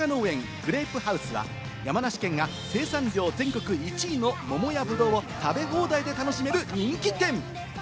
グレープハウスは、山梨県が生産量全国１位の桃やぶどうを食べ放題で楽しめる人気店。